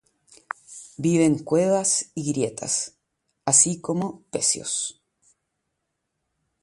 Vive en cuevas y grietas, así como pecios.